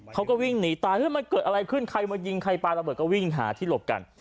เขาก็วิ่งหนีตายมันเกิดอะไรขึ้นใครมายิงใครปลาระเบิดก็วิ่งหาที่หลบกัน